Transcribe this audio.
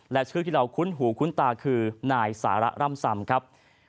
และชื่อที่เราคุ้นหูคุ้นตาคือนายสาระร่ำซำครับ